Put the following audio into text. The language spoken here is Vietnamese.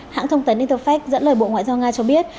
hãng thông tấn interfake dẫn lời bộ ngoại giao nga cho biết